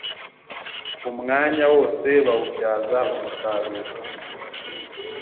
Umwanya wose bawubyaza umusaruro